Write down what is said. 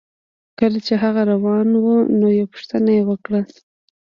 کله چې هغه روان و نو یوه پوښتنه یې وکړه